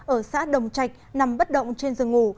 ở xã đồng trạch nằm bất động trên giường ngủ